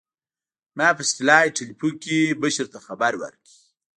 ما په سټلايټ ټېلفون کښې مشر ته خبر ورکړ.